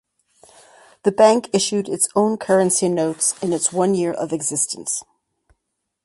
The bank issued its own currency notes in its one year of existence.